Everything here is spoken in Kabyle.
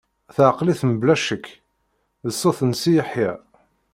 Teɛqel-it, mebla ccek, d ṣṣut n Si Yeḥya.